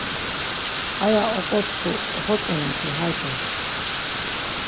Aya oǩotku oxotzonapi hayde.